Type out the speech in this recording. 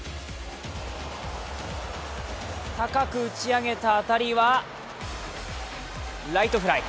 高く打ち上げたあたりはライトフライ。